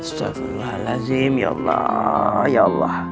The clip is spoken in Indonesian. astaghfirullahaladzim ya allah ya allah